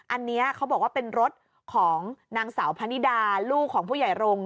อันนี้เขาบอกว่าเป็นรถของนางสาวพนิดาลูกของผู้ใหญ่รงค์